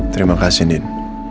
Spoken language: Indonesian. terima kasih din